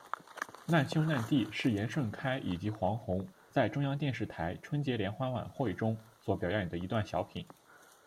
难兄难弟是严顺开以及黄宏在中央电视台春节联欢晚会中所表演的一段小品。